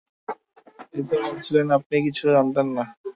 এইতো বলছিলেন, আপনি কিচ্ছু জানেন না।